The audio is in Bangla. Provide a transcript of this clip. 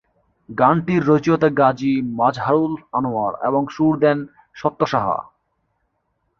গানটির রচয়িতা গাজী মাজহারুল আনোয়ার এবং সুর দেন সত্য সাহা।